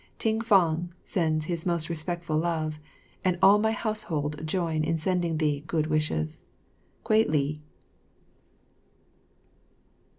Ting fang sends his most respectful love, and all my household join in sending thee good wishes. Kwei li.